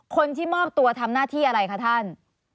คนที่มอบตัวทำหน้าที่อะไรคะท่าน